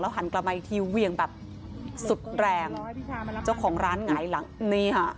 หันกลับมาอีกทีเวียงแบบสุดแรงเจ้าของร้านหงายหลังนี่ค่ะ